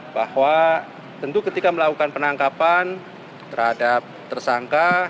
bahwa tentu ketika melakukan penangkapan terhadap tersangka